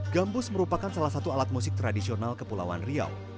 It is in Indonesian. gambus merupakan salah satu alat musik tradisional kepulauan riau